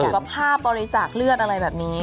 ภาพบริจาคเลือดอะไรแบบนี้